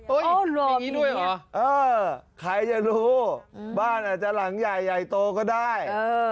อย่างนี้ด้วยเหรอเออใครจะรู้บ้านอาจจะหลังใหญ่ใหญ่โตก็ได้